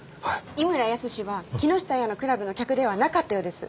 井村泰は木下亜矢のクラブの客ではなかったようです。